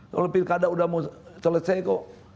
kalau pilih kada sudah selesai kok